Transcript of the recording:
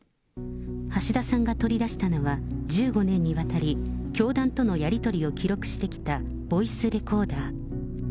橋田さんが取り出したのは、１５年にわたり、教団とのやり取りを記録してきたボイスレコーダー。